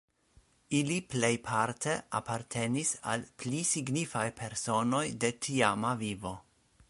Ili plejparte apartenis al pli signifaj personoj de tiama vivo.